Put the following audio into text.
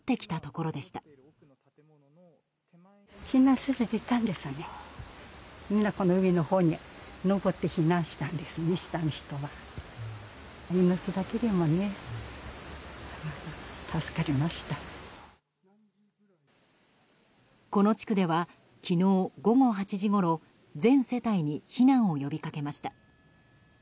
この地区では昨日午後８時ごろ全世帯に避難を呼びかけました。